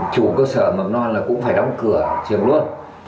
chủ cơ sở mầm non là cũng phải đóng cửa trường luôn